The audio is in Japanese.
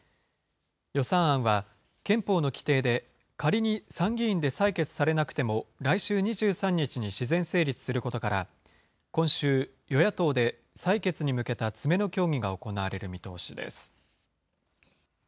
予算案は、憲法の規定で、仮に参議院で採決されなくても、来週２３日に自然成立することから、今週、与野党で採決に向けた詰めの協議が行われる見通しです。